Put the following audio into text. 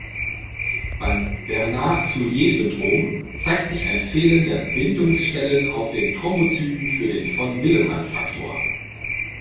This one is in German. Beim Bernard-Soulier-Syndrom zeigt sich ein Fehlen der Bindungsstellen auf den Thrombozyten für den von-Willebrandt-Faktor.